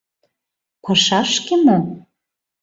Пашашке мо?